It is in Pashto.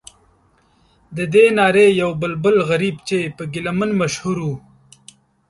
ددې نارې یو بلبل غریب چې په ګیله من مشهور و.